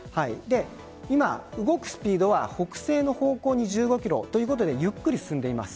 今、動くスピードは北西の方向に１５キロということでゆっくり進んでいます。